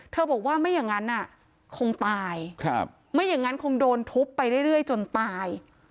เธอบอกว่าไม่อย่างนั้นน่ะคงตายครับไม่อย่างงั้นคงโดนทุบไปเรื่อยเรื่อยจนตาย